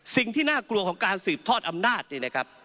สิ่งที่น่ากลัวของการสืบทอดอำนาจนี่นะครับ